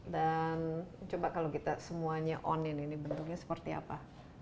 dan coba kalau kita semuanya on ini bentuknya seperti apa